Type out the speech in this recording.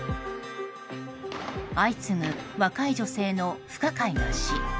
相次ぐ若い女性の不可解な死。